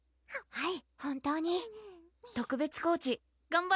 はい！